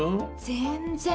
全然。